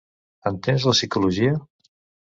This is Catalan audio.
Entens la psicologia?